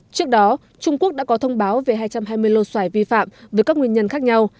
trước đó trung quốc đã có thông báo về hai trăm hai mươi lô xoài vi phạm với các nguyên nhân khác nhau